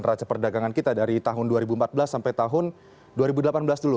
raca perdagangan kita dari tahun dua ribu empat belas sampai tahun dua ribu delapan belas dulu